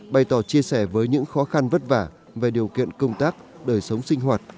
bày tỏ chia sẻ với những khó khăn vất vả về điều kiện công tác đời sống sinh hoạt